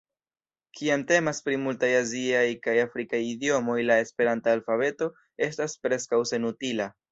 Kiam temas pri multaj aziaj kaj afrikaj idiomoj la esperanta alfabeto estas preskaŭ senutila.